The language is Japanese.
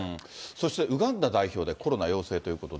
そして、ウガンダ代表でコロナ陽性ということで。